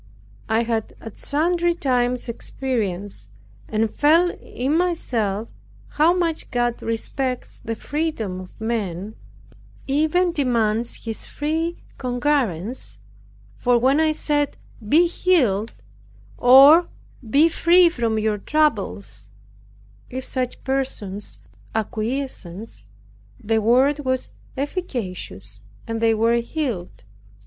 I have at sundry times experienced, and felt in myself, how much God respects the freedom of man, even demands his free concurrence; for when I said, "Be healed," or, "Be free from your troubles," if such persons acquiesced, the Word was efficacious, and they were healed.